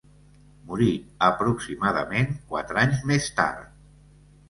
Morí aproximadament quatre anys més tard.